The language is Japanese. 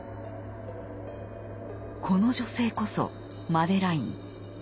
この女性こそマデライン。